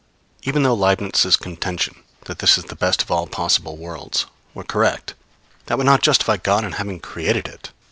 ] Even though Leibnitz' contention, that this is the best of all possible worlds, were correct, that would not justify God in having created it.